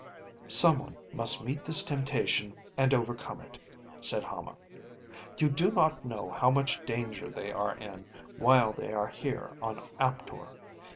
"Someone must meet this temptation, and overcome it," said Hama. "You do not know how much danger they are in while they are here on Aptor.